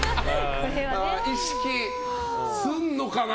意識すんのかな？